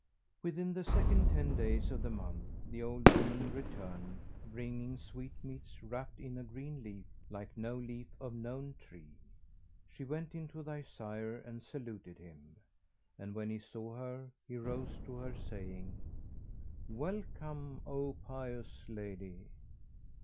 Within the second ten days of the month the old woman returned, bringing sweetmeats wrapped in a green leaf, like no leaf of known tree. She went in to thy sire and saluted him; and, when he saw her, he rose to her saying, 'Welcome, O pious lady!'